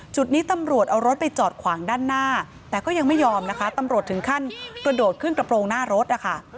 จุดนี้ตำรวจเอารถไปจอดขวางด้านหน้าแต่ก็ยังไม่ยอมนะคะตำรวจถึงขั้นกระโดดขึ้นกระโปรงหน้ารถนะคะ